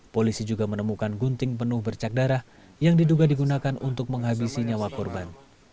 polisi juga menemukan gunting penuh bercak darah yang diduga digunakan untuk menghabisi nyawa korban